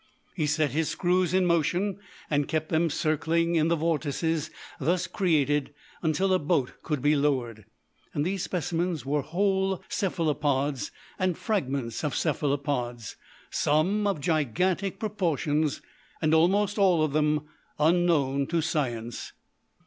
He set his screws in motion, and kept them circling in the vortices thus created until a boat could be lowered. And these specimens were whole cephalopods and fragments of cephalopods, some of gigantic proportions, and almost all of them unknown to science!